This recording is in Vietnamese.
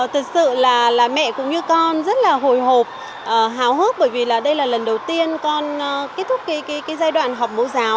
thật sự là mẹ cũng như con rất là hồi hộp hào hức bởi vì là đây là lần đầu tiên con kết thúc cái giai đoạn học mẫu giáo